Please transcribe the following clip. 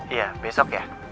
iya besok ya